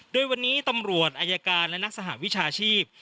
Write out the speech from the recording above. โดยวันนี้ตำรวจอายการและนักสหวิชาชีพ